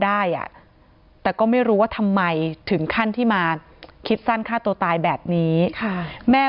ได้อ่ะแต่ก็ไม่รู้ว่าทำไมถึงขั้นที่มาคิดสั้นฆ่าตัวตายแบบนี้ค่ะแม่